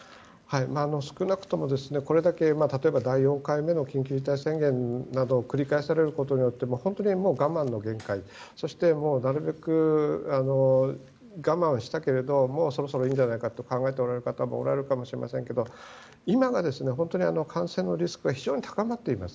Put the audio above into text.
少なくともこれだけ第４回目の緊急事態宣言などを繰り返されることによって本当に我慢の限界そしてなるべく我慢したけれどもうそろそろいいんじゃないかと考えている方もおられるんじゃないかと思いますけど今が本当に感染のリスクが非常に高まっています。